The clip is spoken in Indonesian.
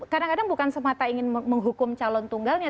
kadang kadang bukan semata ingin menghukum calon tunggalnya